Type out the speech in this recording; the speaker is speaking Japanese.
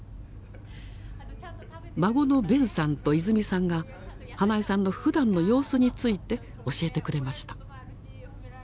孫の勉さんと泉さんが英恵さんのふだんの様子について教えてくれました。